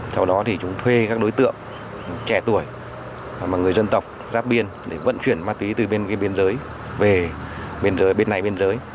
sau đó thì chúng thuê các đối tượng trẻ tuổi mà người dân tộc ráp biên để vận chuyển ma túy từ bên cái biên giới về biên giới bên này biên giới